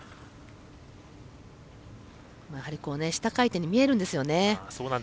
やはり下回転に見えるんですよね。